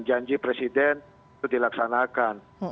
janji presiden itu dilaksanakan